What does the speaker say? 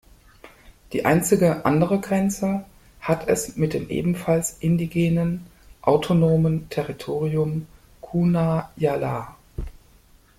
Die einzige andere Grenze hat es mit dem ebenfalls indigenen autonomen Territorium Kuna Yala.